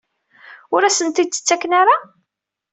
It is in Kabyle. Ur asent-tt-id-ttaken ara?